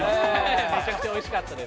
めちゃくちゃおいしかったです。